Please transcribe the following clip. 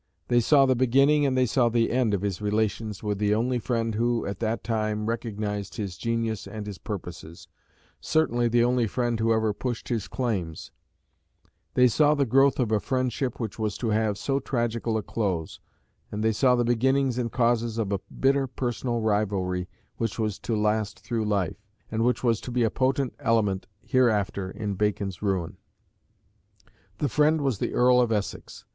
They saw the beginning and they saw the end of his relations with the only friend who, at that time, recognised his genius and his purposes, certainly the only friend who ever pushed his claims; they saw the growth of a friendship which was to have so tragical a close, and they saw the beginnings and causes of a bitter personal rivalry which was to last through life, and which was to be a potent element hereafter in Bacon's ruin. The friend was the Earl of Essex.